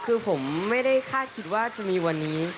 คือผมไม่ได้คาดคิดว่าจะมีวันนี้